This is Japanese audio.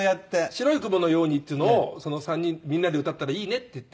『白い雲のように』っていうのをみんなで歌ったらいいねっていって。